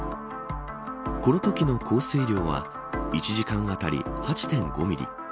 このときの降水量は１時間当たり８．５ミリ。